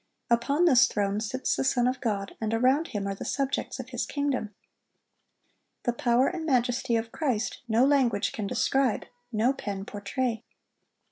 Upon this throne sits the Son of God, and around Him are the subjects of His kingdom. The power and majesty of Christ no language can describe, no pen portray.